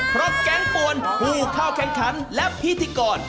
เพราะแก๊งป่วนผู้เข้าแข่งขันและพิธีกร